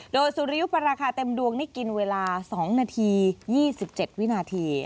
โดยสุริยุปราคาเต็มดวงนี่กินเวลา๒นาที๒๗วินาที